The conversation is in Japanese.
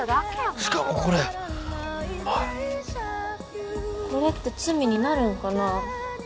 しかもこれこれって罪になるんかな？